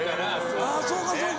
あぁそうかそうか。